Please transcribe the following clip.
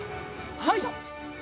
はい！